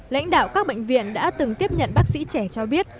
lãnh đạo các bệnh viện đã từng tiếp nhận bác sĩ trẻ cho biết